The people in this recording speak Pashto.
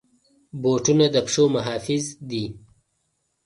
بوټونه د پښو محافظ دي.